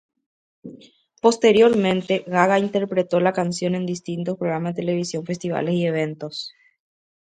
Posteriormente, Gaga interpretó la canción en distintos programas de televisión, festivales y eventos.